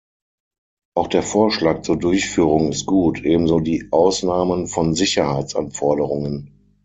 Auch der Vorschlag zur Durchführung ist gut, ebenso die Ausnahmen von Sicherheitsanforderungen.